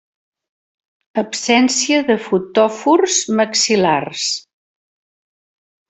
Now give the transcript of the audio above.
Absència de fotòfors maxil·lars.